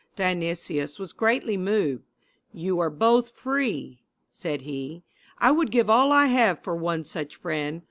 Dionysius was greatly moved. "You are both free," said he. "I would give all I have for one such friend.